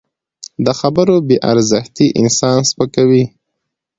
د خبرو بې ارزښتي انسان سپکوي